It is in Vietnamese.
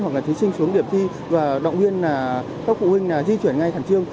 hoặc là thí sinh xuống điểm thi và động viên các phụ huynh di chuyển ngay thẳng trương